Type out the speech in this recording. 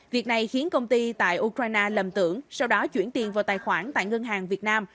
việc này khiến công ty tại ukraine lầm tưởng sau đó chuyển tiền vào tài khoản tại ngân hàng việt nam